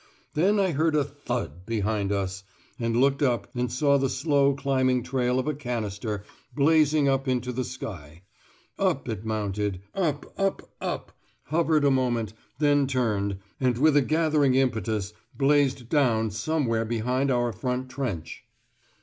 Then I heard a thud behind us, and looking up saw the slow climbing trail of a canister blazing up into the sky; up it mounted, up, up, up, hovered a moment, then turned, and with a gathering impetus blazed down somewhere well behind our front trench.